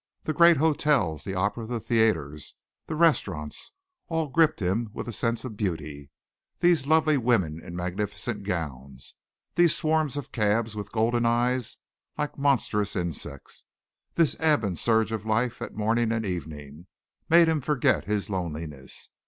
The great hotels, the opera, the theatres, the restaurants, all gripped him with a sense of beauty. These lovely women in magnificent gowns; these swarms of cabs, with golden eyes, like monstrous insects; this ebb and surge of life at morning and evening, made him forget his loneliness.